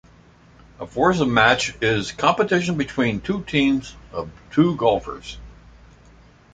A foursomes match is a competition between two teams of two golfers.